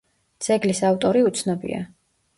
ძეგლის ავტორი უცნობია.